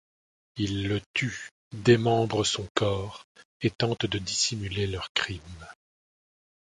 Ils le tuent, démembrent son corps et tentent de dissimuler leur crime.